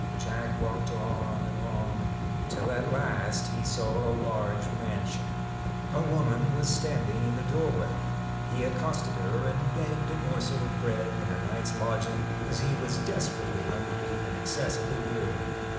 Jack walked on and on, till at last he saw a large mansion. A woman was standing in the doorway. He accosted her and begged a morsel 6 of bread and a night's lodging, as he was desper .J^CK ately hungry and excessively weary.